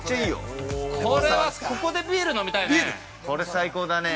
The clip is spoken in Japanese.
◆これはここでビール飲みたいね。